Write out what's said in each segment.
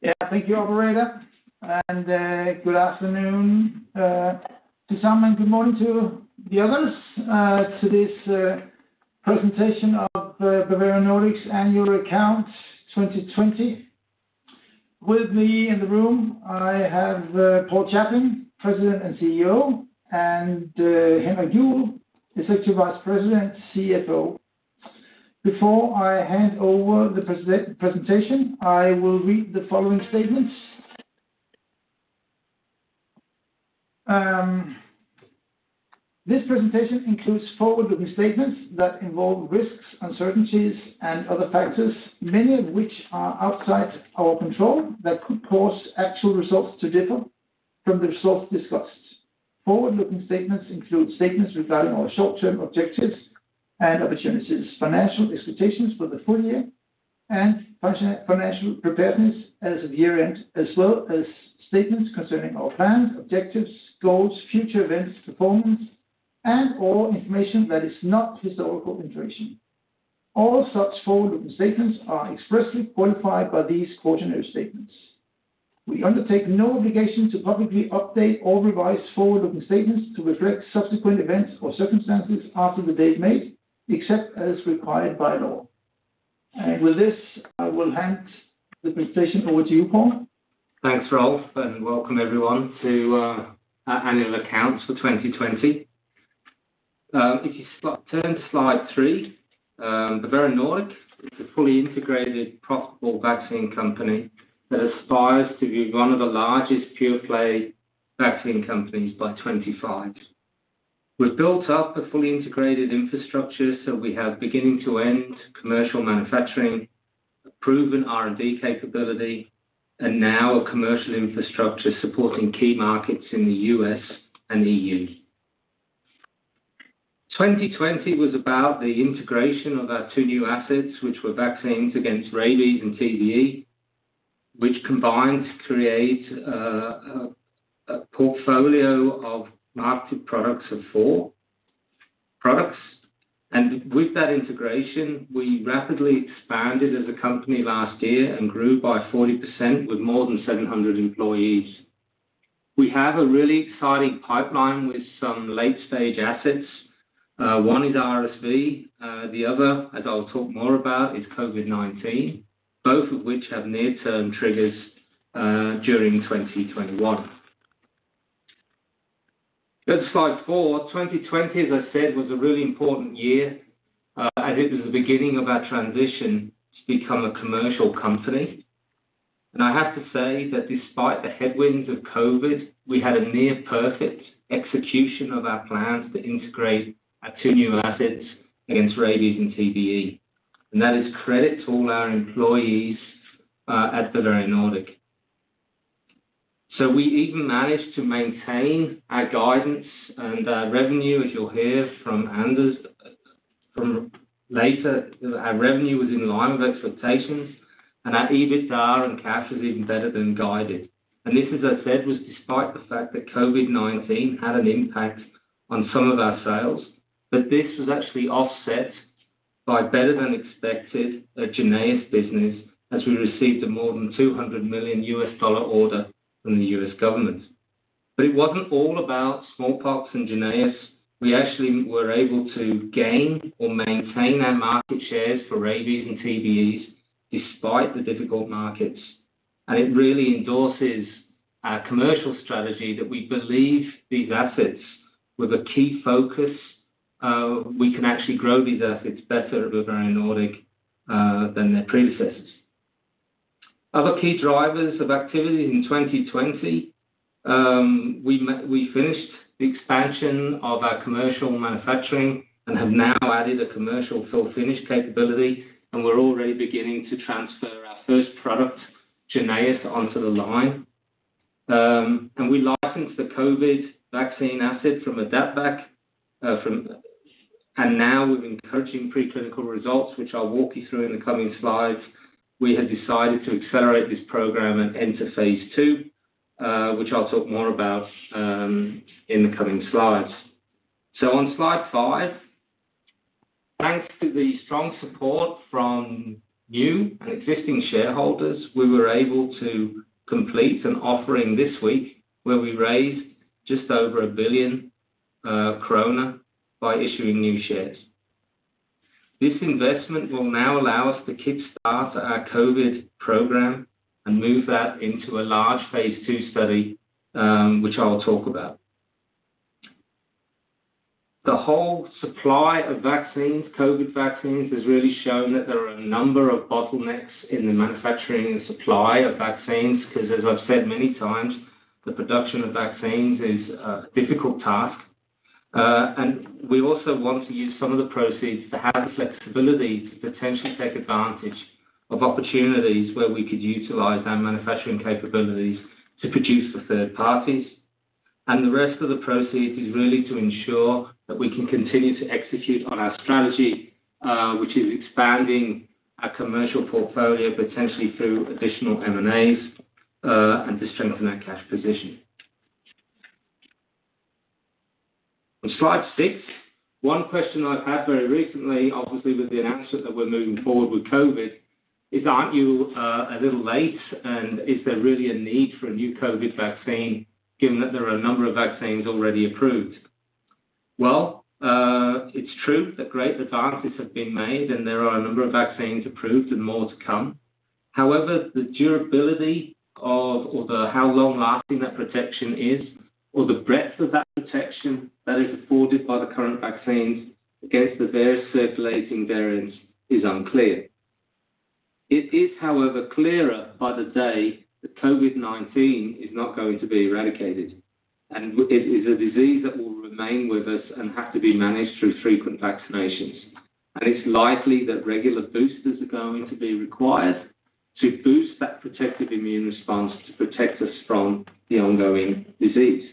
Yeah. Thank you, operator, and good afternoon to some and good morning to the others, to this presentation of the Bavarian Nordic's annual accounts 2020. With me in the room, I have Paul Chaplin, President and CEO, and Henrik Juuel, Executive Vice President, CFO. Before I hand over the presentation, I will read the following statements. This presentation includes forward-looking statements that involve risks, uncertainties, and other factors, many of which are outside our control, that could cause actual results to differ from the results discussed. Forward-looking statements include statements regarding our short-term objectives and opportunities, financial expectations for the full year, and financial preparedness as of year-end, as well as statements concerning our plans, objectives, goals, future events, performance, and all information that is not historical information. All such forward-looking statements are expressly qualified by these cautionary statements. We undertake no obligation to publicly update or revise forward-looking statements to reflect subsequent events or circumstances after the date made, except as required by law. With this, I will hand the presentation over to you, Paul. Thanks, Rolf. Welcome everyone to our annual accounts for 2020. If you turn to slide three, Bavarian Nordic is a fully integrated, profitable vaccine company that aspires to be one of the largest pure-play vaccine companies by 2025. We've built up a fully integrated infrastructure, so we have beginning to end commercial manufacturing, proven R&D capability, and now a commercial infrastructure supporting key markets in the U.S. and E.U. 2020 was about the integration of our two new assets, which were vaccines against rabies and TBE, which combined to create a portfolio of marketed products of four products. With that integration, we rapidly expanded as a company last year and grew by 40% with more than 700 employees. We have a really exciting pipeline with some late-stage assets. One is RSV, the other, as I'll talk more about, is COVID-19, both of which have near-term triggers during 2021. Go to slide four. 2020, as I said, was a really important year. I think it was the beginning of our transition to become a commercial company. I have to say that despite the headwinds of COVID-19, we had a near perfect execution of our plans to integrate our two new assets against rabies and TBE. That is credit to all our employees at Bavarian Nordic. We even managed to maintain our guidance and our revenue, as you'll hear from Anders later, our revenue was in line with expectations, and our EBITDA and cash was even better than guided. This, as I said, was despite the fact that COVID-19 had an impact on some of our sales, but this was actually offset by better than expected JYNNEOS business as we received a more than $200 million order from the U.S. government. It wasn't all about smallpox and JYNNEOS. We actually were able to gain or maintain our market shares for rabies and TBEs despite the difficult markets. It really endorses our commercial strategy that we believe these assets were the key focus. We can actually grow these assets better at Bavarian Nordic than their predecessors. Other key drivers of activity in 2020, we finished the expansion of our commercial manufacturing and have now added a commercial fill finish capability, and we're already beginning to transfer our first product, JYNNEOS, onto the line. We licensed the COVID vaccine asset from AdaptVac. Now with encouraging preclinical results, which I'll walk you through in the coming slides, we have decided to accelerate this program and enter phase II, which I'll talk more about in the coming slides. On slide five, thanks to the strong support from new and existing shareholders, we were able to complete an offering this week where we raised just over 1 billion krone by issuing new shares. This investment will now allow us to kickstart our COVID program and move that into a large phase II study, which I'll talk about. The whole supply of vaccines, COVID vaccines, has really shown that there are a number of bottlenecks in the manufacturing and supply of vaccines, because as I've said many times, the production of vaccines is a difficult task. We also want to use some of the proceeds to have the flexibility to potentially take advantage of opportunities where we could utilize our manufacturing capabilities to produce for third parties. The rest of the proceeds is really to ensure that we can continue to execute on our strategy, which is expanding our commercial portfolio, potentially through additional M&As, and to strengthen our cash position. On slide six, one question I've had very recently, obviously with the announcement that we're moving forward with COVID, is, "Aren't you a little late, and is there really a need for a new COVID vaccine given that there are a number of vaccines already approved?" Well, it's true that great advances have been made, and there are a number of vaccines approved and more to come. However, the durability or how long-lasting that protection is, or the breadth of that protection that is afforded by the current vaccines against the various circulating variants is unclear. It is, however, clearer by the day that COVID-19 is not going to be eradicated. It is a disease that will remain with us and have to be managed through frequent vaccinations. It's likely that regular boosters are going to be required to boost that protective immune response to protect us from the ongoing disease.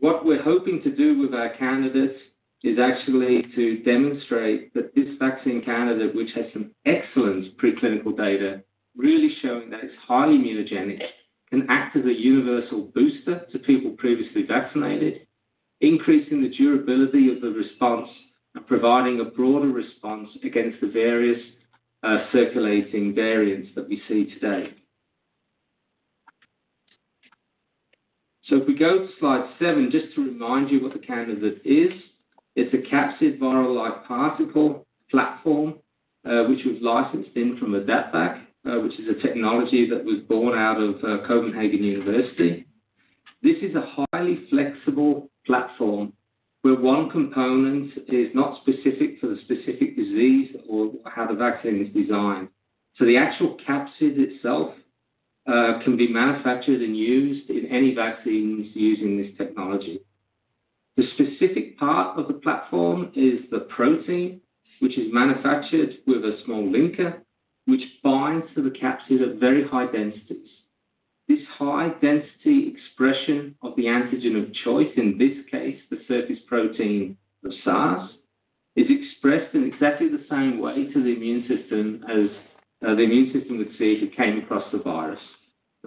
What we're hoping to do with our candidates is actually to demonstrate that this vaccine candidate, which has some excellent preclinical data, really showing that it's highly immunogenic, can act as a universal booster to people previously vaccinated, increasing the durability of the response and providing a broader response against the various circulating variants that we see today. If we go to slide seven, just to remind you what the candidate is. It's a capsid virus-like particle platform, which was licensed in from AdaptVac, which is a technology that was born out of Copenhagen University. This is a highly flexible platform where one component is not specific to the specific disease or how the vaccine is designed. The actual capsid itself can be manufactured and used in any vaccines using this technology. The specific part of the platform is the protein, which is manufactured with a small linker, which binds to the capsid at very high densities. This high density expression of the antigen of choice, in this case, the surface protein of SARS, is expressed in exactly the same way to the immune system as the immune system would see if it came across the virus.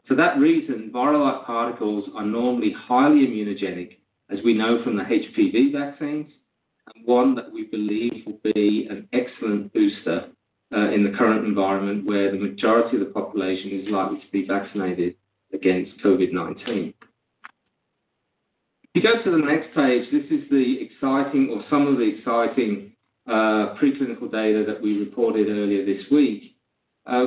For that reason, virus-like particles are normally highly immunogenic, as we know from the HPV vaccines, and one that we believe will be an excellent booster, in the current environment, where the majority of the population is likely to be vaccinated against COVID-19. If you go to the next page, this is the exciting or some of the exciting preclinical data that we reported earlier this week.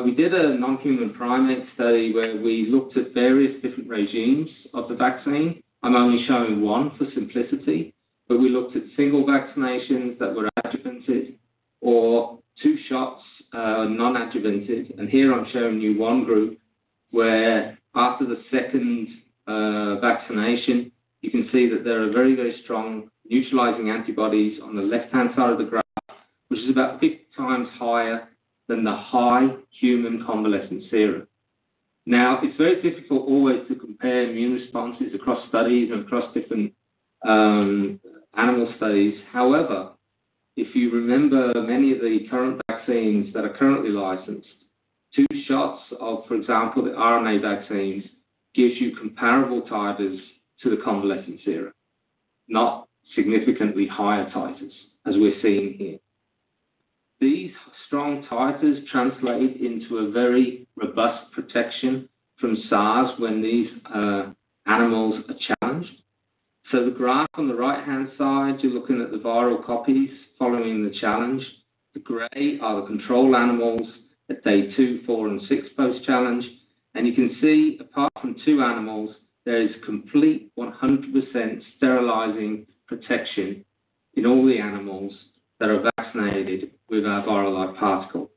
We did a non-human primate study where we looked at various different regimes of the vaccine. I'm only showing one for simplicity. We looked at single vaccinations that were adjuvanted or two shots non-adjuvanted. Here I'm showing you one group where after the second vaccination, you can see that there are very, very strong neutralizing antibodies on the left-hand side of the graph, which is about 50x higher than the high human convalescent serum. It's very difficult always to compare immune responses across studies and across different animal studies. If you remember many of the current vaccines that are currently licensed, two shots of, for example, the RNA vaccines, gives you comparable titers to the convalescent serum, not significantly higher titers as we're seeing here. These strong titers translate into a very robust protection from SARS when these animals are challenged. The graph on the right-hand side, you're looking at the viral copies following the challenge. The gray are the control animals at day two, four and six post-challenge. You can see apart from two animals, there is complete 100% sterilizing protection in all the animals that are vaccinated with our virus-like particle.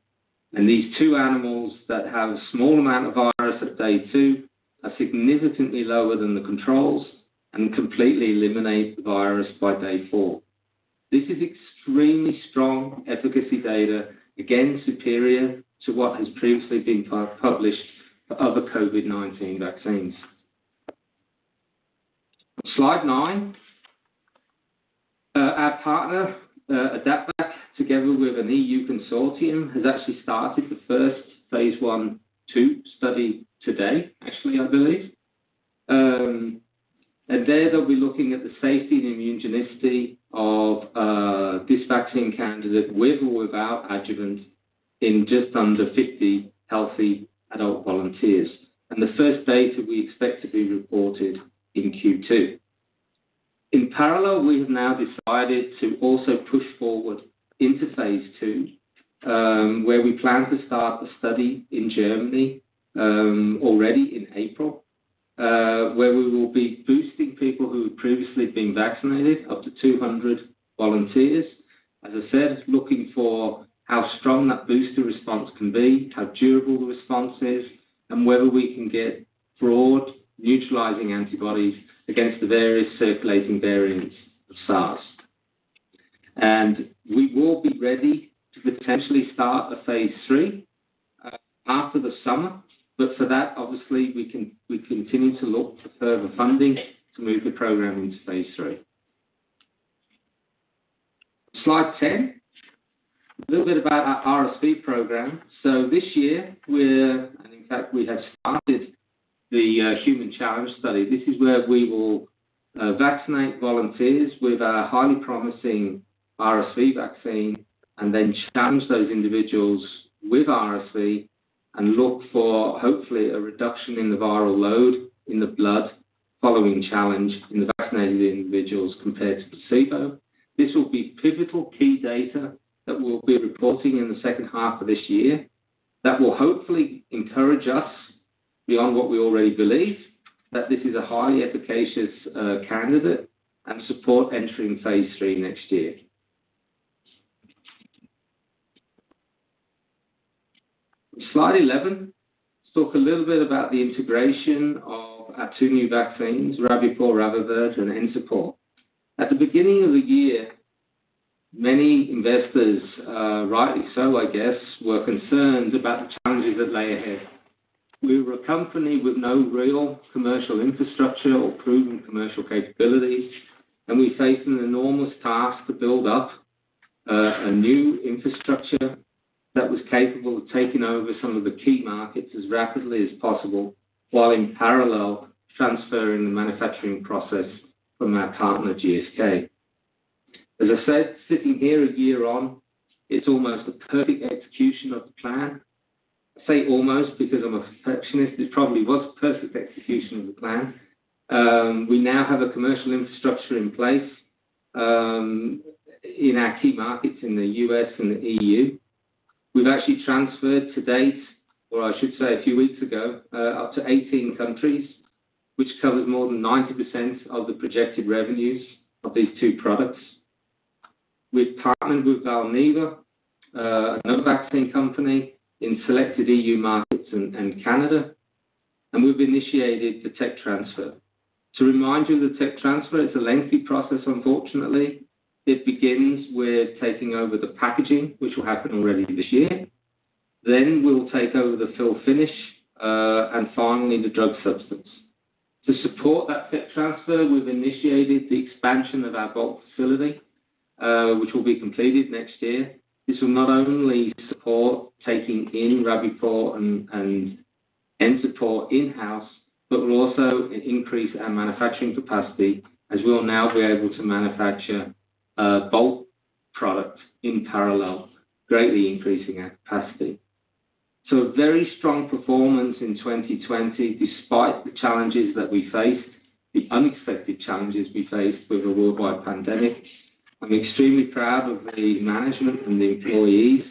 These two animals that have a small amount of virus at day two are significantly lower than the controls and completely eliminate the virus by day four. This is extremely strong efficacy data, again, superior to what has previously been published for other COVID-19 vaccines. Slide nine. Our partner, AdaptVac, together with an E.U. consortium, has actually started the first phase I/II study today, actually, I believe. There, they'll be looking at the safety and immunogenicity of this vaccine candidate with or without adjuvant in just under 50 healthy adult volunteers. The first data we expect to be reported in Q2. In parallel, we have now decided to also push forward into phase II, where we plan to start the study in Germany already in April, where we will be boosting people who have previously been vaccinated up to 200 volunteers. As I said, looking for how strong that booster response can be, how durable the response is, and whether we can get broad neutralizing antibodies against the various circulating variants of SARS. We will be ready to potentially start a phase III after the summer. For that, obviously, we continue to look for further funding to move the program into phase III. Slide 10. A little bit about our RSV program. This year, we have started the human challenge study. This is where we will vaccinate volunteers with our highly promising RSV vaccine, and then challenge those individuals with RSV and look for, hopefully, a reduction in the viral load in the blood following challenge in the vaccinated individuals compared to placebo. This will be pivotal key data that we'll be reporting in the second half of this year that will hopefully encourage us beyond what we already believe, that this is a highly efficacious candidate and support entering phase III next year. Slide 11. Talk a little bit about the integration of our two new vaccines, Rabipur/RabAvert, and Encepur. At the beginning of the year, many investors, rightly so I guess, were concerned about the challenges that lay ahead. We were a company with no real commercial infrastructure or proven commercial capability, and we faced an enormous task to build up a new infrastructure that was capable of taking over some of the key markets as rapidly as possible, while in parallel, transferring the manufacturing process from our partner, GSK. As I said, sitting here a year on, it's almost a perfect execution of the plan. I say almost because I'm a perfectionist. It probably was perfect execution of the plan. We now have a commercial infrastructure in place, in our key markets in the U.S. and the E.U. We've actually transferred to date, or I should say a few weeks ago, up to 18 countries, which covers more than 90% of the projected revenues of these two products. We've partnered with Valneva, another vaccine company in selected E.U. markets and Canada, and we've initiated the tech transfer. To remind you, the tech transfer, it's a lengthy process, unfortunately. It begins with taking over the packaging, which will happen already this year. Then we'll take over the fill finish, and finally the drug substance. To support that tech transfer, we've initiated the expansion of our bulk facility, which will be completed next year. This will not only support taking in Rabipur and Encepur in-house, but will also increase our manufacturing capacity as we'll now be able to manufacture bulk product in parallel, greatly increasing our capacity. A very strong performance in 2020, despite the challenges that we faced, the unexpected challenges we faced with a worldwide pandemic. I'm extremely proud of the management and the employees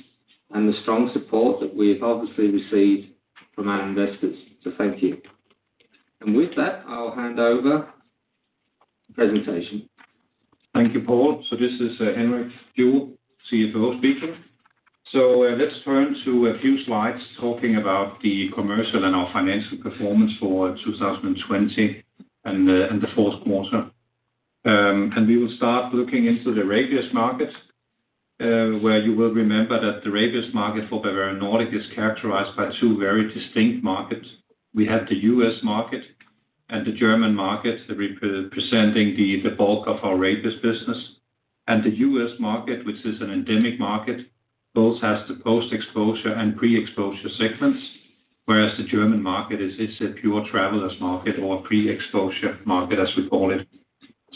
and the strong support that we have obviously received from our investors, so thank you. With that, I'll hand over the presentation. Thank you, Paul. This is Henrik Juuel, CFO speaking. Let's turn to a few slides talking about the commercial and our financial performance for 2020 and the fourth quarter. We will start looking into the rabies markets, where you will remember that the rabies market for Bavarian Nordic is characterized by two very distinct markets. We have the U.S. market and the German market representing the bulk of our rabies business, and the U.S. market, which is an endemic market, both has the post-exposure and pre-exposure segments, whereas the German market is a pure traveler's market or a pre-exposure market as we call it.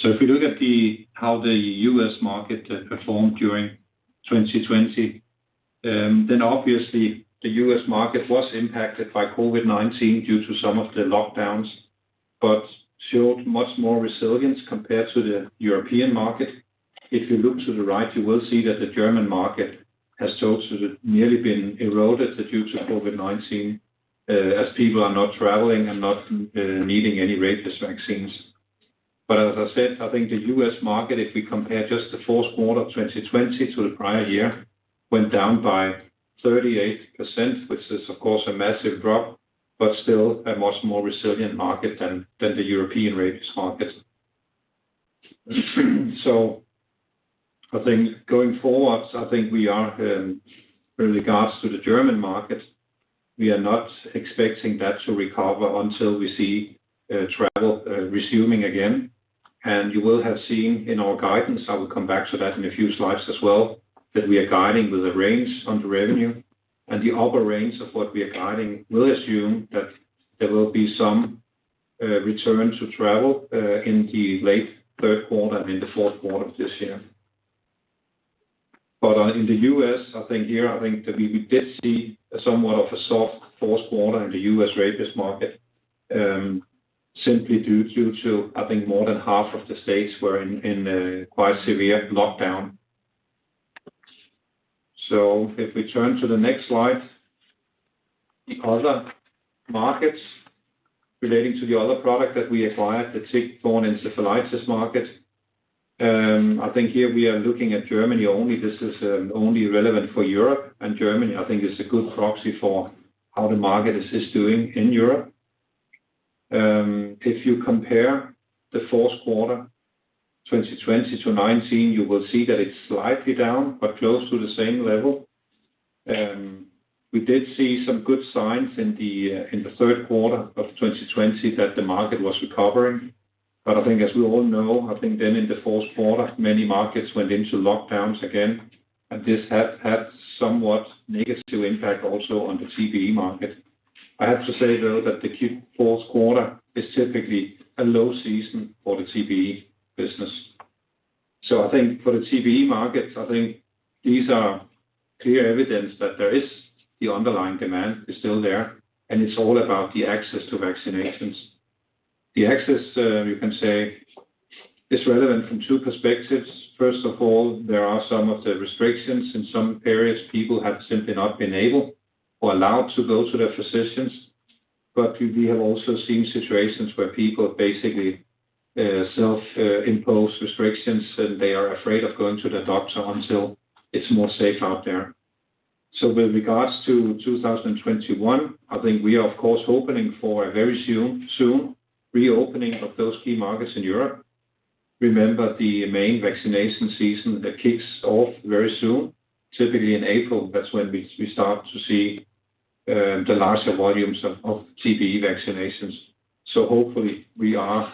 If you look at how the U.S. market performed during 2020, then obviously the U.S. market was impacted by COVID-19 due to some of the lockdowns, but showed much more resilience compared to the European market. If you look to the right, you will see that the German market has nearly been eroded due to COVID-19, as people are not traveling and not needing any rabies vaccines. As I said, I think the U.S. market, if we compare just the fourth quarter 2020 to the prior year, went down by 38%, which is, of course, a massive drop, but still a much more resilient market than the European rabies market. I think going forwards, I think we are, in regards to the German market, we are not expecting that to recover until we see travel resuming again. You will have seen in our guidance, I will come back to that in a few slides as well, that we are guiding with a range on the revenue. The upper range of what we are guiding will assume that there will be some return to travel in the late third quarter and in the fourth quarter of this year. In the U.S., I think here we did see somewhat of a soft fourth quarter in the U.S. rabies market, simply due to, I think more than half of the states were in quite severe lockdown. If we turn to the next slide. The other markets relating to the other product that we acquired, the tick-borne encephalitis market. I think here we are looking at Germany only. This is only relevant for Europe, and Germany I think is a good proxy for how the market is doing in Europe. If you compare the fourth quarter 2020 to 2019, you will see that it's slightly down, but close to the same level. We did see some good signs in the third quarter of 2020 that the market was recovering. I think as we all know, I think then in the fourth quarter, many markets went into lockdowns again, and this had somewhat negative impact also on the TBE market. I have to say, though, that the fourth quarter is typically a low season for the TBE business. I think for the TBE markets, I think these are clear evidence that there is the underlying demand is still there, and it's all about the access to vaccinations. The access, you can say, is relevant from two perspectives. First of all, there are some of the restrictions. In some areas, people have simply not been able or allowed to go to their physicians. We have also seen situations where people basically self-impose restrictions, and they are afraid of going to the doctor until it's more safe out there. With regards to 2021, I think we are, of course, opening for a very soon reopening of those key markets in Europe. Remember the main vaccination season that kicks off very soon, typically in April. That's when we start to see the larger volumes of TBE vaccinations. Hopefully, we are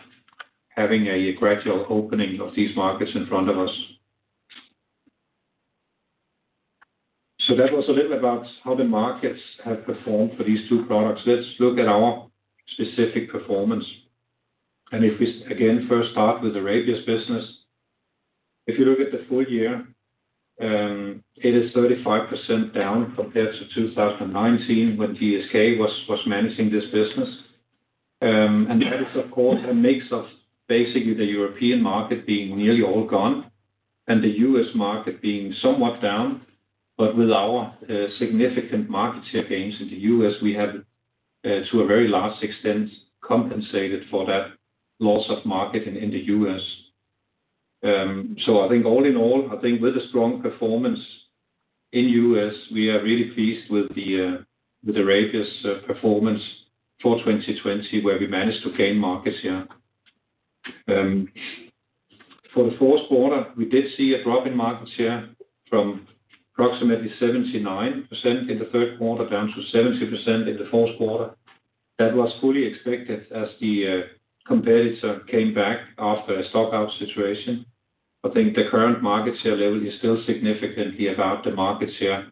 having a gradual opening of these markets in front of us. That was a little about how the markets have performed for these two products. Let's look at our specific performance. If we, again, first start with the rabies business. If you look at the full year, it is 35% down compared to 2019 when GSK was managing this business. That is, of course, a mix of basically the European market being nearly all gone and the U.S. market being somewhat down. With our significant market share gains in the U.S., we have, to a very large extent, compensated for that loss of market in the U.S. I think all in all, I think with a strong performance in U.S., we are really pleased with the rabies performance for 2020, where we managed to gain market share. For the fourth quarter, we did see a drop in market share from approximately 79% in the third quarter down to 70% in the fourth quarter. That was fully expected as the competitor came back after a stock out situation. I think the current market share level is still significantly above the market share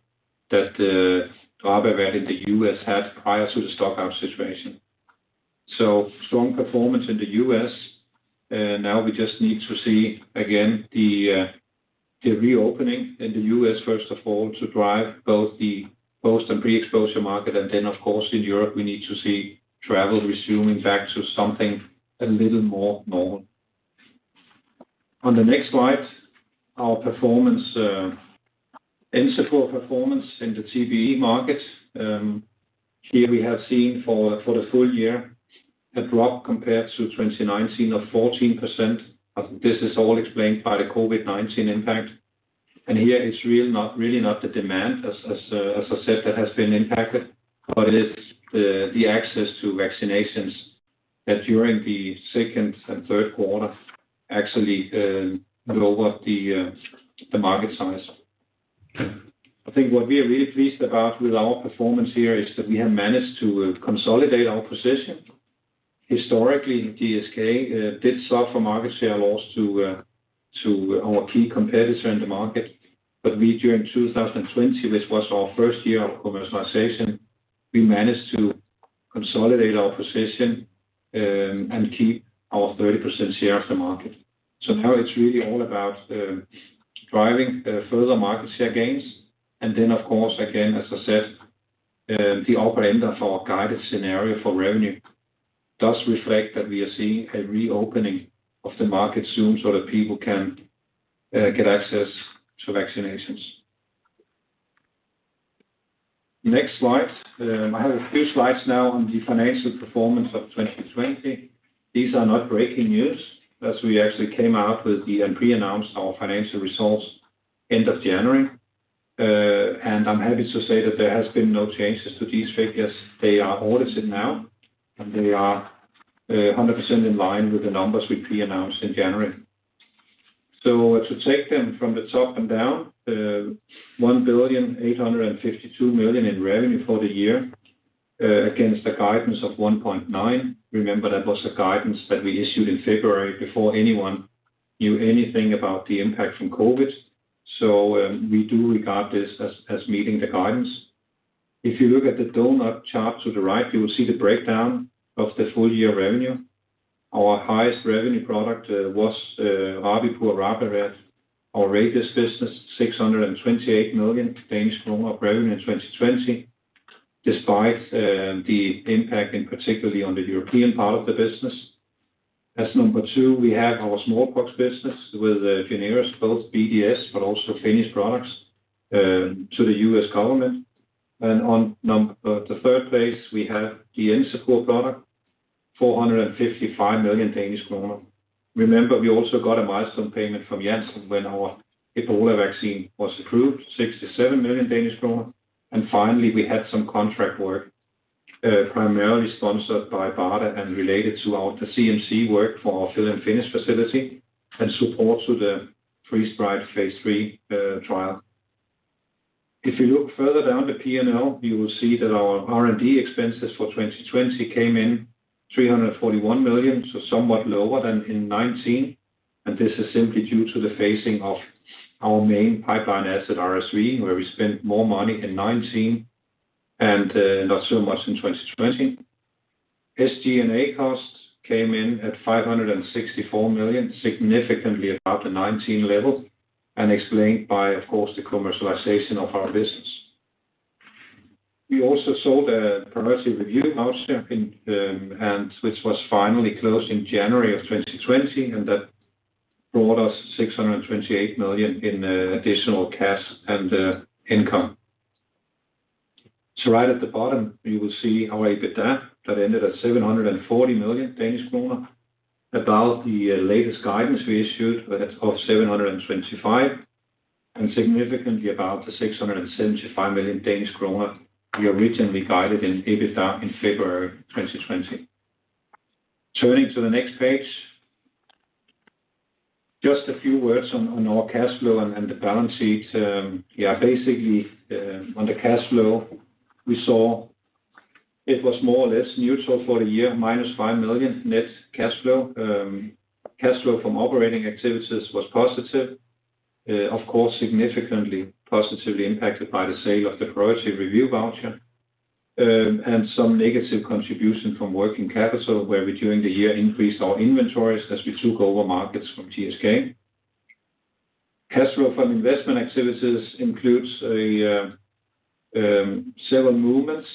that the RabAvert in the U.S. had prior to the stock out situation. Strong performance in the U.S. We just need to see, again, the reopening in the U.S., first of all, to drive both the post and pre-exposure market. Of course, in Europe, we need to see travel resuming back to something a little more normal. On the next slide, our Encepur performance in the TBE market. Here we have seen for the full year a drop compared to 2019 of 14%. This is all explained by the COVID-19 impact. Here it's really not the demand, as I said, that has been impacted, but it is the access to vaccinations that during the second and third quarter actually lowered the market size. I think what we are really pleased about with our performance here is that we have managed to consolidate our position. Historically, GSK did suffer market share loss to our key competitor in the market. We, during 2020, which was our first year of commercialization, we managed to consolidate our position and keep our 30% share of the market. Now it's really all about driving further market share gains. Then, of course, again, as I said, the upper end of our guided scenario for revenue does reflect that we are seeing a reopening of the market soon so that people can get access to vaccinations. Next slide. I have a few slides now on the financial performance of 2020. These are not breaking news, as we actually came out with and pre-announced our financial results end of January. I'm happy to say that there has been no changes to these figures. They are audited now, and they are 100% in line with the numbers we pre-announced in January. To take them from the top and down, 1.852 billion in revenue for the year against a guidance of 1.9 billion. Remember, that was the guidance that we issued in February before anyone knew anything about the impact from COVID. We do regard this as meeting the guidance. If you look at the donut chart to the right, you will see the breakdown of the full year revenue. Our highest revenue product was Rabipur/RabAvert, our rabies business, 628 million of revenue in 2020, despite the impact in particularly on the European part of the business. As number two, we have our smallpox business with JYNNEOS, both BDS, but also finished products to the U.S. government. On the third place, we have the Encepur product, 455 million Danish kroner. Remember, we also got a milestone payment from Janssen when our Ebola vaccine was approved, 67 million Danish kroner. Finally, we had some contract work. Primarily sponsored by BARDA and related to our CMC work for our fill-and-finish facility and support to the freeze-dried phase III trial. If you look further down the P&L, you will see that our R&D expenses for 2020 came in 341 million, so somewhat lower than in 2019, and this is simply due to the phasing of our main pipeline asset, RSV, where we spent more money in 2019 and not so much in 2020. SG&A costs came in at 564 million, significantly above the 2019 level and explained by, of course, the commercialization of our business. We also sold a priority review voucher and which was finally closed in January 2020, and that brought us 628 million in additional cash and income. Right at the bottom, you will see our EBITDA that ended at 740 million Danish kroner. Above the latest guidance we issued of 725 million and significantly above the 675 million Danish kroner we originally guided in EBITDA in February 2020. Turning to the next page. Just a few words on our cash flow and the balance sheet. Basically, on the cash flow, we saw it was more or less neutral for the year, -5 million net cash flow. Cash flow from operating activities was positive, of course, significantly positively impacted by the sale of the priority review voucher. Some negative contribution from working capital, where we, during the year, increased our inventories as we took over markets from GSK. Cash flow from investment activities includes several movements,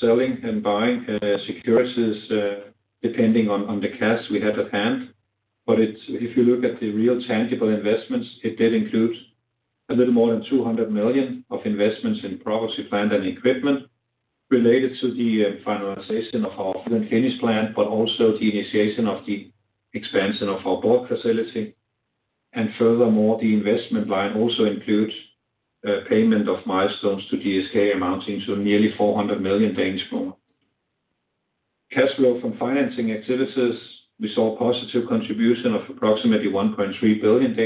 selling and buying securities, depending on the cash we had at hand. If you look at the real tangible investments, it did include a little more than 200 million of investments in property, plant, and equipment related to the finalization of our fill-and-finish plant, also the initiation of the expansion of our bulk facility. Furthermore, the investment line also includes payment of milestones to GSK amounting to nearly 400 million. Cash flow from financing activities, we saw a positive contribution of approximately 1.3 billion,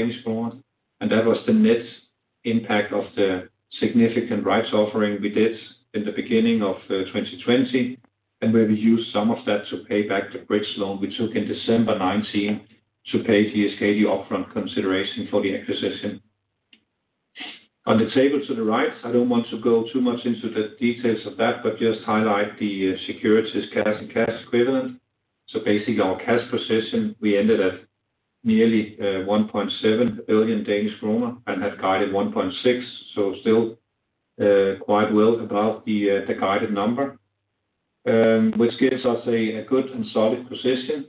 and that was the net impact of the significant rights offering we did in the beginning of 2020, and where we used some of that to pay back the bridge loan we took in December 2019 to pay GSK the upfront consideration for the acquisition. On the table to the right, I don't want to go too much into the details of that, but just highlight the securities, cash and cash equivalent. Basically, our cash position, we ended at nearly 1.7 billion and had guided 1.6 billion, so still quite well above the guided number, which gives us a good and solid position.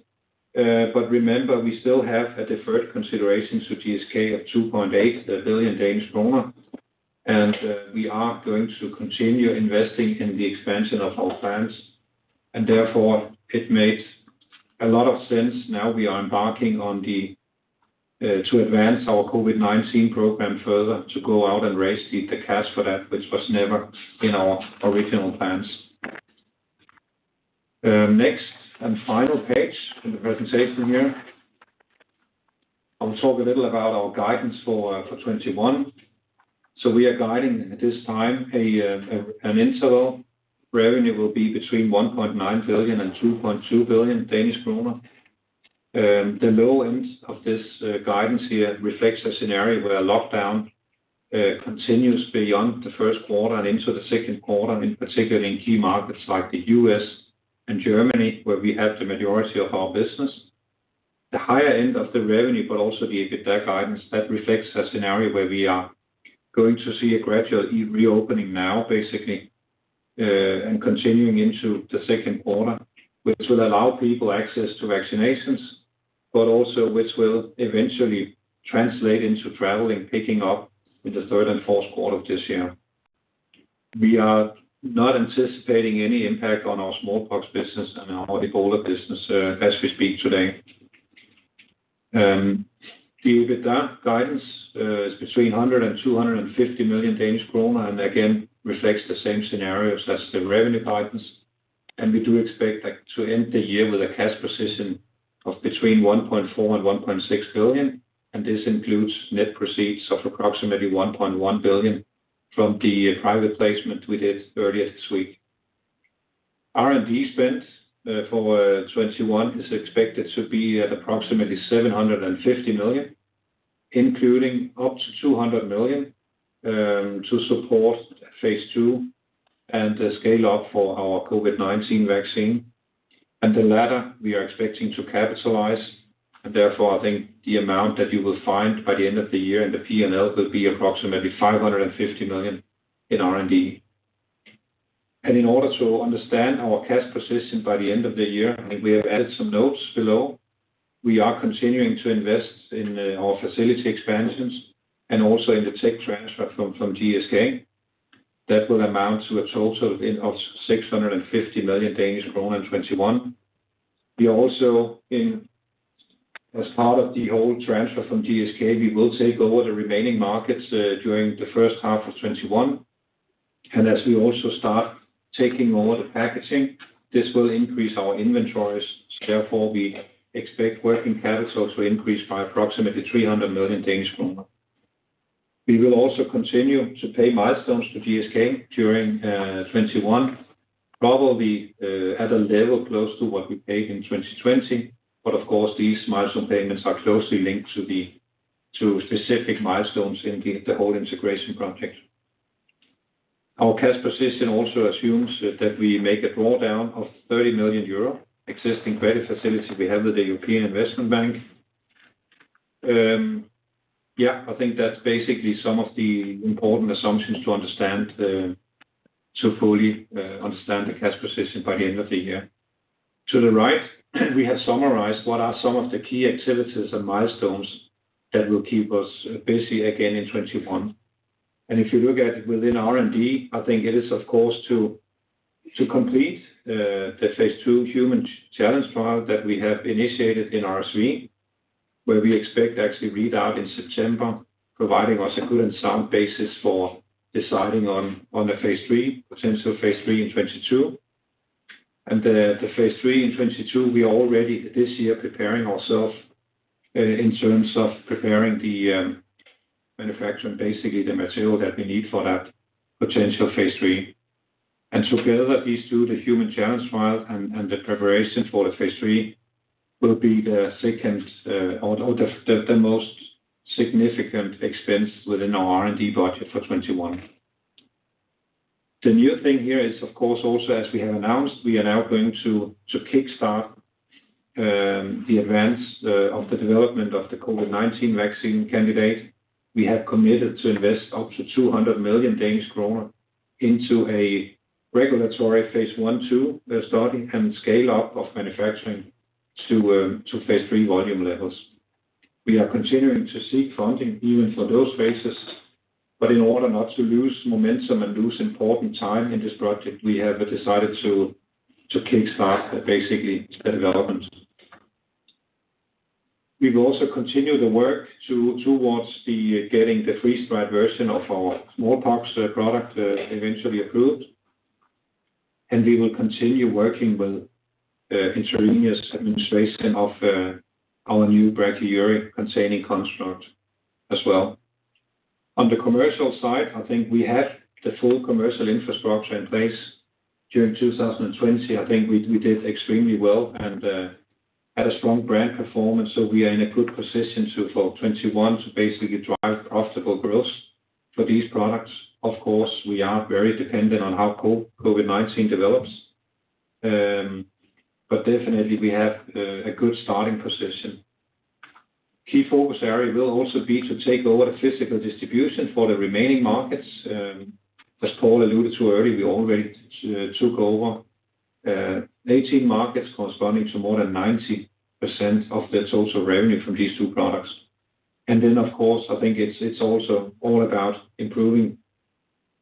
Remember, we still have a deferred consideration to GSK of 2.8 billion Danish kroner, and we are going to continue investing in the expansion of our plants. Therefore, it makes a lot of sense now we are embarking to advance our COVID-19 program further, to go out and raise the cash for that, which was never in our original plans. Next and final page in the presentation here. I will talk a little about our guidance for 2021. We are guiding at this time an interval. Revenue will be between 1.9 billion and 2.2 billion Danish kroner. The low end of this guidance here reflects a scenario where a lockdown continues beyond the first quarter and into the second quarter, and particularly in key markets like the U.S. and Germany, where we have the majority of our business. The higher end of the revenue, but also the EBITDA guidance, that reflects a scenario where we are going to see a gradual reopening now, and continuing into the second quarter, which will allow people access to vaccinations, but also which will eventually translate into traveling picking up in the third and fourth quarter of this year. We are not anticipating any impact on our smallpox business and our Ebola business as we speak today. The EBITDA guidance is between 100 million and 250 million Danish krone, and again, reflects the same scenarios as the revenue guidance. We do expect that to end the year with a cash position of between 1.4 billion and 1.6 billion, and this includes net proceeds of approximately 1.1 billion from the private placement we did earlier this week. R&D spend for 2021 is expected to be at approximately 750 million, including up to 200 million to support phase II and the scale-up for our COVID-19 vaccine. The latter, we are expecting to capitalize. Therefore, I think the amount that you will find by the end of the year in the P&L will be approximately 550 million in R&D. In order to understand our cash position by the end of the year, we have added some notes below. We are continuing to invest in our facility expansions and also in the tech transfer from GSK. That will amount to a total of 650 million Danish kroner in 2021. As part of the whole transfer from GSK, we will take over the remaining markets during the first half of 2021. As we also start taking over the packaging, this will increase our inventories. Therefore, we expect working capital to increase by approximately 300 million. We will also continue to pay milestones to GSK during 2021, probably at a level close to what we paid in 2020. Of course, these milestone payments are closely linked to specific milestones in the whole integration project. Our cash position also assumes that we make a drawdown of 30 million euro existing credit facility we have with the European Investment Bank. I think that's basically some of the important assumptions to fully understand the cash position by the end of the year. To the right, we have summarized what are some of the key activities and milestones that will keep us busy again in 2021. If you look at within R&D, I think it is, of course, to complete the phase II human challenge trial that we have initiated in RSV, where we expect to actually read out in September, providing us a good and sound basis for deciding on a potential phase III in 2022. The phase III in 2022, we are already this year preparing ourself in terms of preparing the manufacturing, basically the material that we need for that potential phase III. Together, these two, the Human Challenge Trial and the preparation for the phase III, will be the most significant expense within our R&D budget for 2021. The new thing here is, of course, also as we have announced, we are now going to kickstart the advance of the development of the COVID-19 vaccine candidate. We have committed to invest up to 200 million into a regulatory phase I/II. We're starting and scale-up of manufacturing to phase III volume levels. We are continuing to seek funding even for those phases, but in order not to lose momentum and lose important time in this project, we have decided to kickstart basically the development. We will also continue the work towards getting the freeze-dried version of our smallpox product eventually approved, and we will continue working with intravenous administration of our new brachyury containing construct as well. On the commercial side, I think we have the full commercial infrastructure in place during 2020. I think we did extremely well and had a strong brand performance. We are in a good position for 2021 to basically drive profitable growth for these products. Of course, we are very dependent on how COVID-19 develops. Definitely we have a good starting position. Key focus area will also be to take over the physical distribution for the remaining markets. As Paul alluded to earlier, we already took over 18 markets corresponding to more than 90% of the total revenue from these two products. Of course, I think it's also all about improving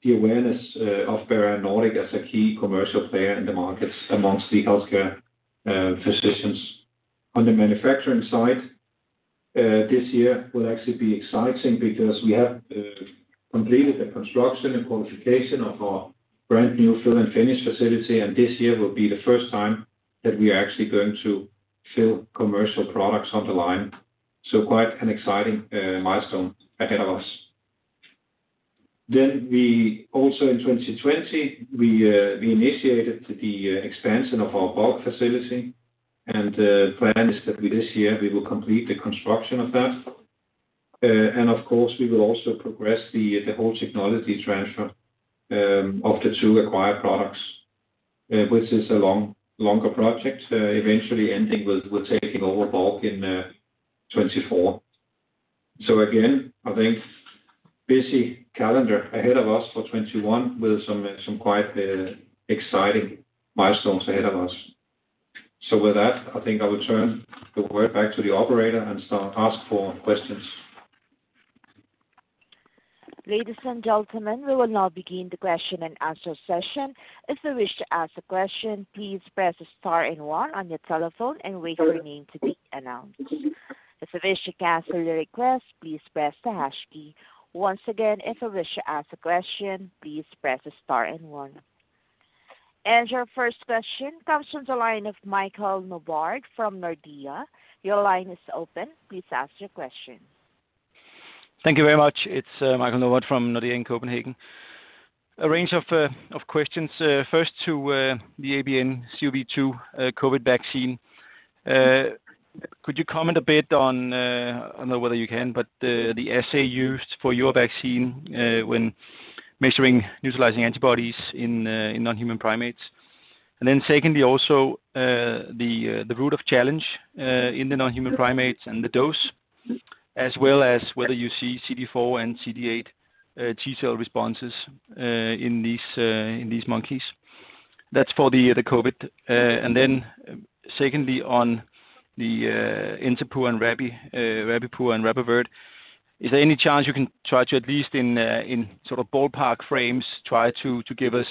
the awareness of Bavarian Nordic as a key commercial player in the markets amongst the healthcare physicians. On the manufacturing side, this year will actually be exciting because we have completed the construction and qualification of our brand new fill finish facility, and this year will be the first time that we are actually going to fill commercial products on the line. Quite an exciting milestone ahead of us. Also in 2020, we initiated the expansion of our bulk facility, and the plan is that this year we will complete the construction of that. Of course, we will also progress the whole technology transfer of the two acquired products, which is a longer project, eventually ending with taking over bulk in 2024. Again, I think busy calendar ahead of us for 2021 with some quite exciting milestones ahead of us. With that, I think I will turn the word back to the operator and ask for questions. Ladies and gentlemen, we will now begin the question-and-answer session. If you wish to ask a question, please press star and one on your telephone and wait for your name to be announced. If you wish to cancel the request, please press the hash key. Once again, if you wish to ask a question, please press star and one. Your first question comes from the line of Michael Novod from Nordea. Your line is open. Please ask your question. Thank you very much. It's Michael Novod from Nordea in Copenhagen. A range of questions. First to the ABNCoV2 COVID vaccine. Could you comment a bit on, I don't know whether you can, but the assay used for your vaccine when measuring neutralizing antibodies in non-human primates? Secondly, also the route of challenge in the non-human primates and the dose, as well as whether you see CD4 and CD8 T cell responses in these monkeys. That's for the COVID. Secondly, on the Encepur and Rabipur/RabAvert, is there any chance you can try to, at least in ballpark frames, try to give us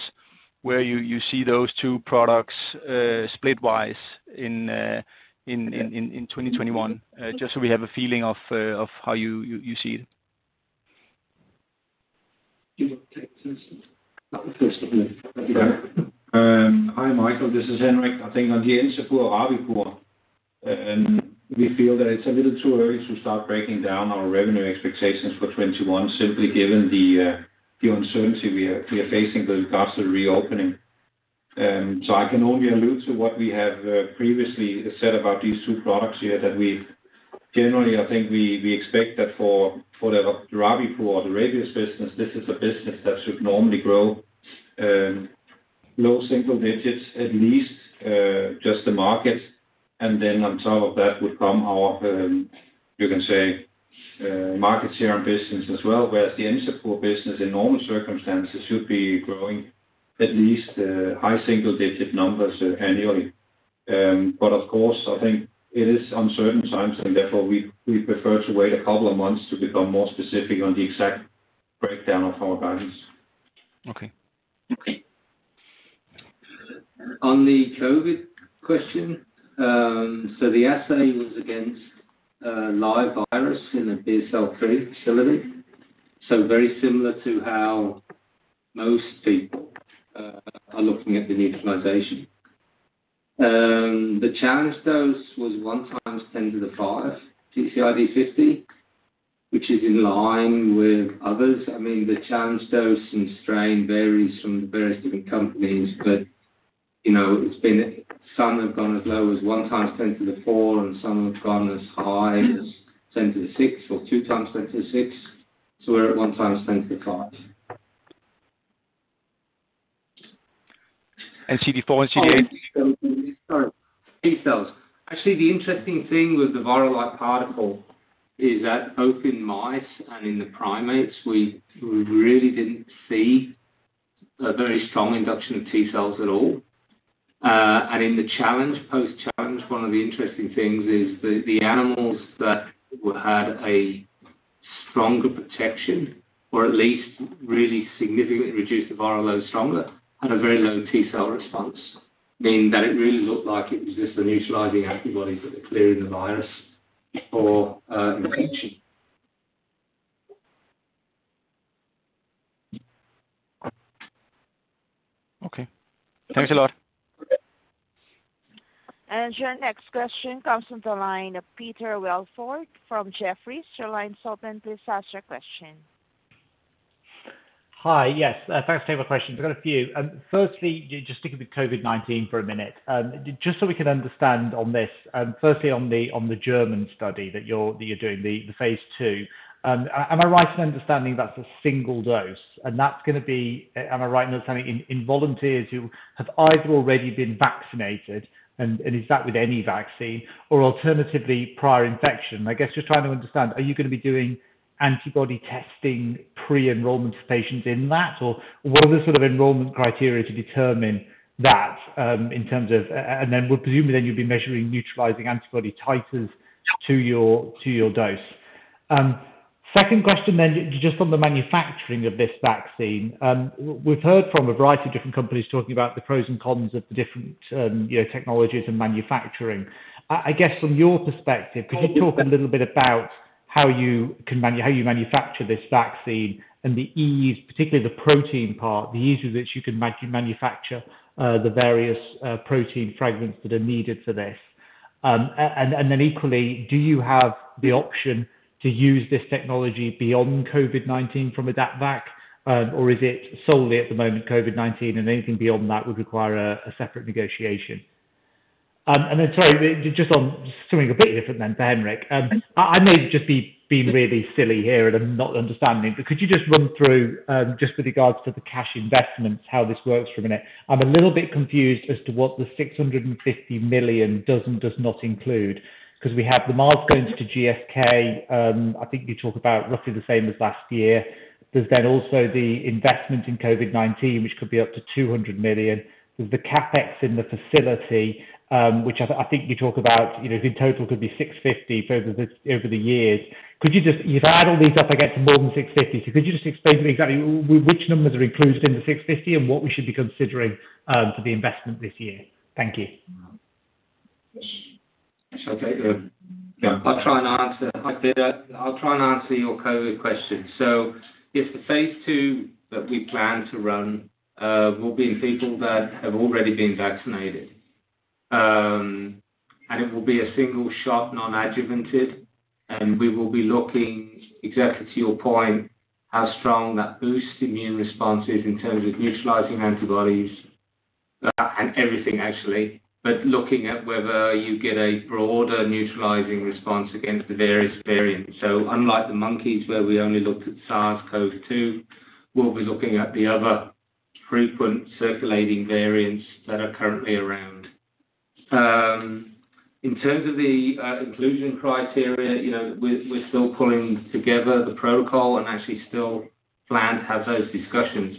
where you see those two products split-wise in 2021? Just so we have a feeling of how you see it. Hi, Michael. This is Henrik. I think on the Encepur or Rabipur, we feel that it's a little too early to start breaking down our revenue expectations for 2021, simply given the uncertainty we are facing with regards to reopening. I can only allude to what we have previously said about these two products here, that we generally expect that for the Rabipur or the rabies business, this is a business that should normally grow low single-digits at least, just the market. On top of that would come our, you can say, market share and business as well, whereas the Encepur business, in normal circumstances, should be growing at least high single-digit numbers annually. Of course, I think it is uncertain times, and therefore, we prefer to wait a couple of months to become more specific on the exact breakdown of our guidance. Okay. On the COVID question. The assay was against a live virus in a BSL-3 facility, very similar to how most people are looking at the neutralization. The challenge dose was one times 10 to the five TCID50, which is in line with others. The challenge dose and strain varies from the various different companies, but some have gone as low as one times 10 to the four, and some have gone as high as 10 to the six or two times 10 to the six. We're at one times 10 to the five. CD4 and CD8? T-cells. Actually, the interesting thing with the virus-like particle is that both in mice and in the primates, we really didn't see a very strong induction of T-cells at all. In the post-challenge, one of the interesting things is the animals that had a stronger protection, or at least really significantly reduced the viral load stronger, had a very low T-cell response, meaning that it really looked like it was just the neutralizing antibodies that were clearing the virus or infection. Okay. Thanks a lot. Your next question comes from the line of Peter Welford from Jefferies. Hi. Yes. Thanks for taking my questions. I've got a few. Firstly, just sticking with COVID-19 for a minute. Just so we can understand on this, firstly on the German study that you're doing, the phase II. Am I right in understanding that's a single dose? Am I right in understanding in volunteers who have either already been vaccinated, and is that with any vaccine, or alternatively prior infection. I guess just trying to understand, are you going to be doing antibody testing pre-enrollment of patients in that, or what are the sort of enrollment criteria to determine that? Presumably then you'll be measuring neutralizing antibody titers to your dose. Second question, just on the manufacturing of this vaccine. We've heard from a variety of different companies talking about the pros and cons of the different technologies and manufacturing. I guess from your perspective, could you talk a little bit about how you manufacture this vaccine and the ease, particularly the protein part, the ease with which you can manufacture the various protein fragments that are needed for this. Equally, do you have the option to use this technology beyond COVID-19 from AdaptVac or is it solely at the moment COVID-19 and anything beyond that would require a separate negotiation? Just on swinging a bit different than Henrik, I may just be being really silly here, and I'm not understanding. Could you just run through, just with regards to cash investment, how this works for a minute? I'm a little bit confused as to what this 650 million does not include because we have the milestones to GSK, I think you talk about roughly the same as last year. There's then also the investment in COVID-19, which could be up to 200 million. The CapEx in the facility, which I think you talk about, you know, in total could be 650 million over the year. Could you just- you said all these add up, I get to more than 650 million. Could you just explain to exactly which number are included in the 650 million and what we should be considering to be investment this year? Thank you. I'll try to answer your COVID question. If the phase II that we plan to run will be in people that have already vaccinated, and it will be a single-shot non-adjuvanted and we will be looking exactly to your point, how strong that boosting in response is in terms of neutralizing antibodies, everything actually, but looking at whether you get a broader neutralizing response against the various variants. Unlike the monkeys, where we only look at SARS-CoV-2, we'll be looking at the other frequent circulating variants that are currently around. In terms of the inclusion criteria, you know, with Fulcrum together, the protocol and actually still plan, have those discussions.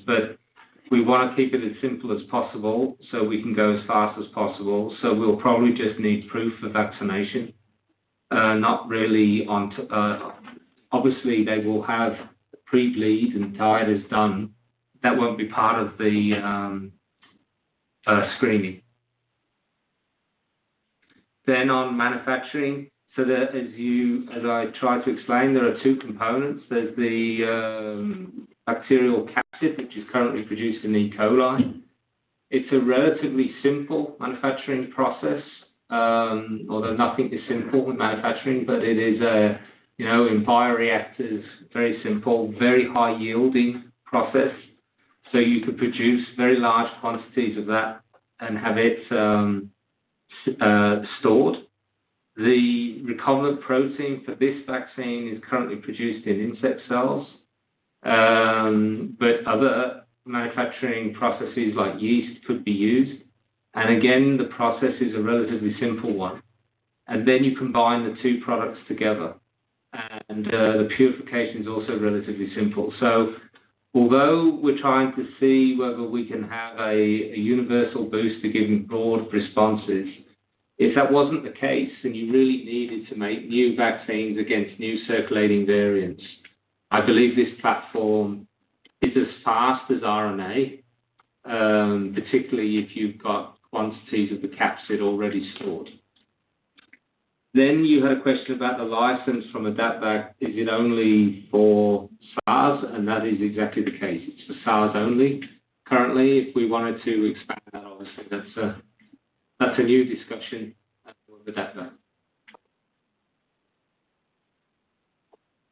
We want to keep it as simple as possible so we can go as fast as possible. We'll probably just need proof of vaccination. Obviously, they will have pre-bleed and titers done. That won't be part of the screening. On manufacturing, as I tried to explain, there are two components. There's the bacterial capsid, which is currently produced in E. coli. It's a relatively simple manufacturing process, although nothing is simple with manufacturing, but it is in bioreactors, very simple, very high-yielding process. You could produce very large quantities of that and have it stored. The recombinant protein for this vaccine is currently produced in insect cells, but other manufacturing processes like yeast could be used. Again, the process is a relatively simple one. Then you combine the two products together, and the purification's also relatively simple. Although we are trying to see whether we can have a universal boost giving broad responses, if that wasn't the case and you really needed to make new vaccines against new circulating variants, I believe this platform is as fast as RNA, particularly if you've got quantities of the capsid already stored. You had a question about the license from AdaptVac. Is it only for SARS? That is exactly the case. It's for SARS only currently. If we wanted to expand that, obviously, that's a new discussion with AdaptVac.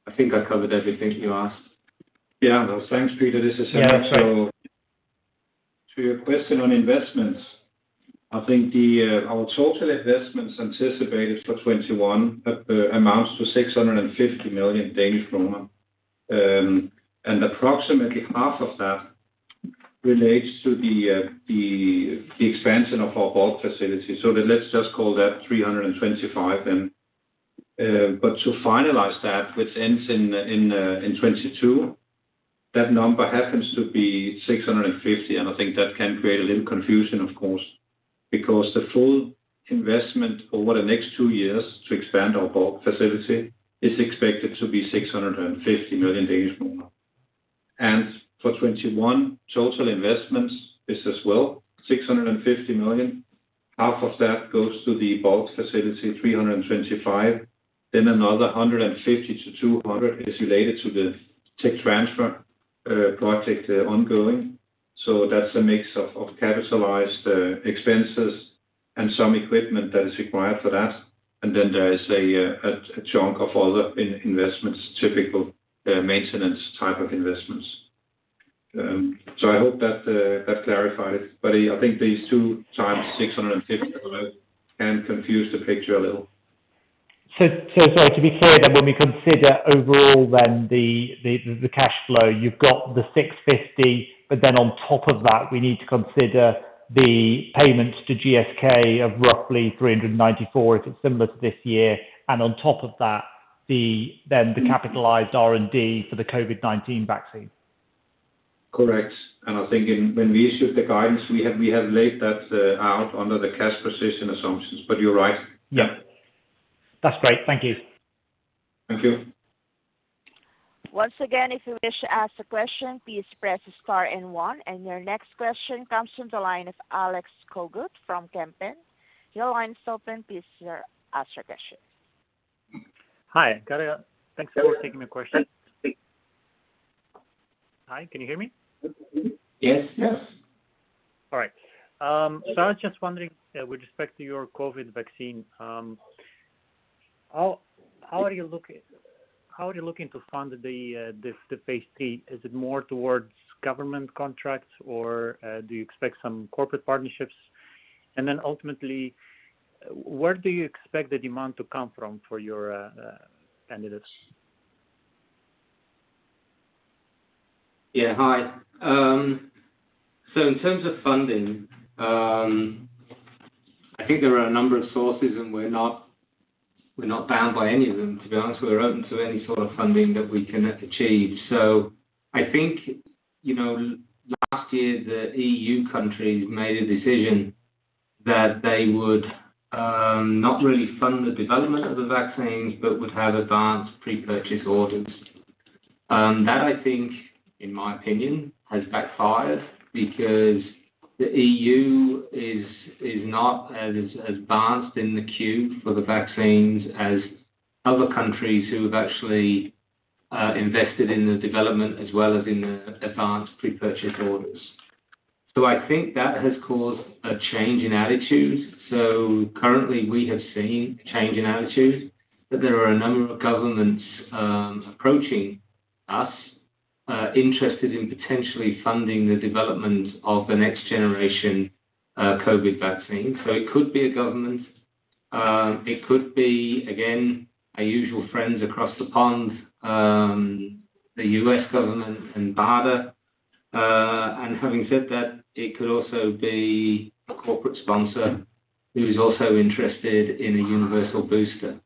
I think I covered everything you asked. Yeah. No, thanks, Peter. This is Henrik. Yeah. To your question on investments, I think our total investments anticipated for 2021 amounts to 650 million Danish kroner. Approximately half of that relates to the expansion of our bulk facility. Let's just call that 325 million then. To finalize that, which ends in 2022, that number happens to be 650 million, and I think that can create a little confusion, of course, because the full investment over the next two years to expand our bulk facility is expected to be 650 million. For 2021, total investments is as well 650 million. Half of that goes to the bulk facility, 325 million. Another 150 million-200 million is related to the tech transfer project ongoing. That's a mix of capitalized expenses and some equipment that is required for that. Then there is a chunk of other investments, typical maintenance type of investments. I hope that clarified it. I think these 2x 650 million can confuse the picture a little. Sorry, to be clear then, when we consider overall then the cash flow, you've got the 650, but then on top of that, we need to consider the payments to GSK of roughly 394 if it's similar to this year. On top of that, then the capitalized R&D for the COVID-19 vaccine. Correct. I think when we issued the guidance, we have laid that out under the cash position assumptions, but you're right. Yeah. That's great. Thank you. Thank you. Once again, if you wish to ask a question, please press star and one. Your next question comes from the line of Alex Cogut from Kempen. Your line is open. Please ask your question. Hi. Thanks for taking my question. Hi, can you hear me? Yes. Yes. All right. I was just wondering, with respect to your COVID vaccine, how are you looking to fund the phase III? Is it more towards government contracts, or do you expect some corporate partnerships? Ultimately, where do you expect the demand to come from for your candidates? Yeah. Hi. In terms of funding, I think there are a number of sources, and we're not bound by any of them, to be honest. We're open to any sort of funding that we can achieve. I think, last year, the E.U. countries made a decision that they would not really fund the development of the vaccines but would have advanced pre-purchase orders. That, I think, in my opinion, has backfired because the E.U. is not as advanced in the queue for the vaccines as other countries who have actually invested in the development as well as in the advanced pre-purchase orders. I think that has caused a change in attitude. Currently, we have seen a change in attitude, that there are a number of governments approaching us, interested in potentially funding the development of the next generation COVID vaccine. It could be a government. It could be, again, our usual friends across the pond, the U.S. government and BARDA. Having said that, it could also be a corporate sponsor who is also interested in a universal booster.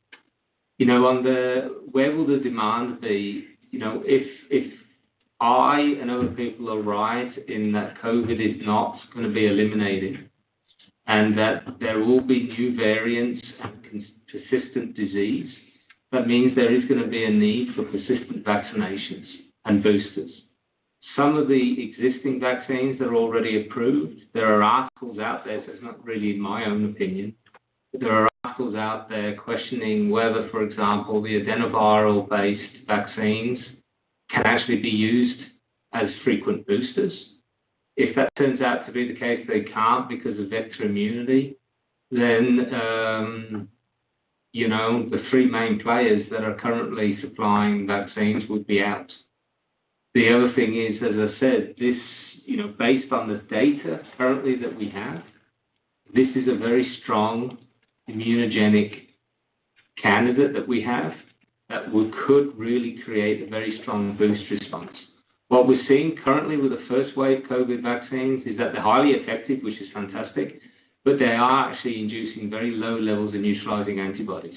Where will the demand be? If I and other people are right in that COVID is not going to be eliminated, and that there will be new variants and persistent disease, that means there is going to be a need for persistent vaccinations and boosters. Some of the existing vaccines that are already approved, there are articles out there, so it's not really my own opinion. There are articles out there questioning whether, for example, the adenoviral-based vaccines can actually be used as frequent boosters. If that turns out to be the case, they can't because of vector immunity, then the three main players that are currently supplying vaccines would be out. The other thing is, as I said, based on the data currently that we have, this is a very strong immunogenic candidate that we have that could really create a very strong boost response. What we're seeing currently with the first-wave COVID vaccines is that they're highly effective, which is fantastic, but they are actually inducing very low levels of neutralizing antibodies.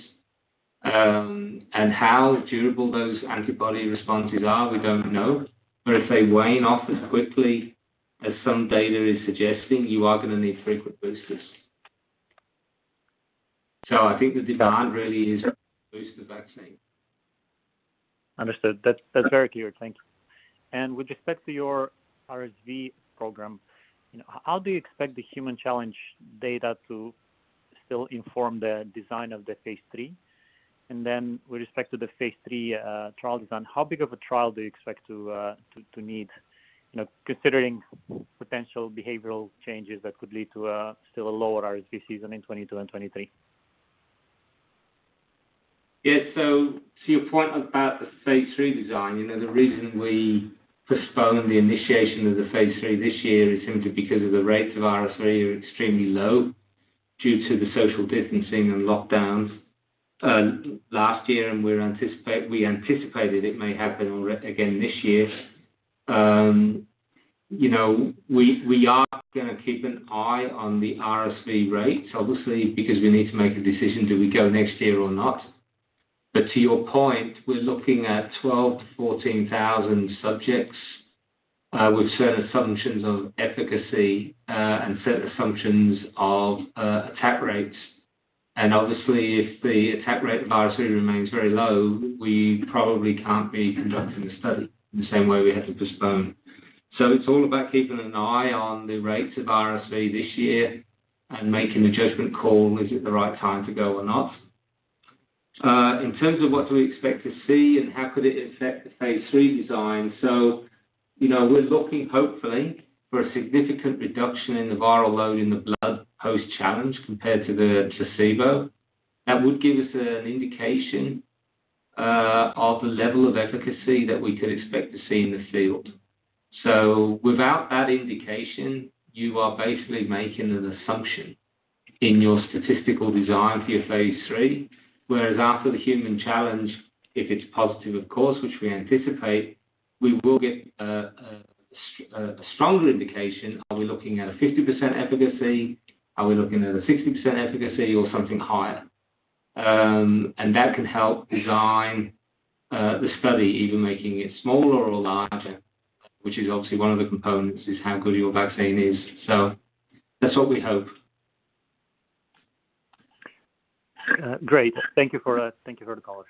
How durable those antibody responses are, we don't know. If they wane off as quickly as some data is suggesting, you are going to need frequent boosters. I think the demand really is a booster vaccine. Understood. That's very clear. Thank you. With respect to your RSV program, how do you expect the human challenge data to still inform the design of the phase III? With respect to the phase III trial design, how big of a trial do you expect to need considering potential behavioral changes that could lead to still a lower RSV season in 2022 and 2023? Yeah. To your point about the phase III design, the reason we postponed the initiation of the phase III this year is simply because of the rates of RSV are extremely low due to the social distancing and lockdowns last year, and we anticipated it may happen again this year. We are going to keep an eye on the RSV rates, obviously, because we need to make a decision, do we go next year or not? To your point, we're looking at 12,000 to 14,000 subjects with certain assumptions of efficacy and certain assumptions of attack rates. Obviously, if the attack rate of RSV remains very low, we probably can't be conducting the study in the same way we had to postpone. It's all about keeping an eye on the rates of RSV this year and making a judgment call. Is it the right time to go or not? In terms of what do we expect to see and how could it affect the phase III design. We're looking hopefully for a significant reduction in the viral load in the blood post-challenge compared to the placebo. That would give us an indication of the level of efficacy that we could expect to see in the field. Without that indication, you are basically making an assumption in your statistical design for your phase III. After the human challenge, if it's positive, of course, which we anticipate, we will get a stronger indication. Are we looking at a 50% efficacy? Are we looking at a 60% efficacy or something higher? That can help design the study, even making it smaller or larger, which is obviously one of the components, is how good your vaccine is. That's what we hope. Great. Thank you for the color.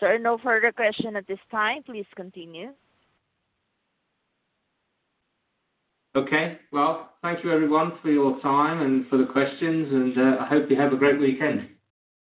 There are no further questions at this time. Please continue. Okay. Well, thank you everyone for your time and for the questions, and I hope you have a great weekend.